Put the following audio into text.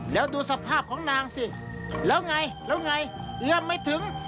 แล้วดูสภาพของนางสิแล้วไงแล้วไงเอื้อมไม่ถึง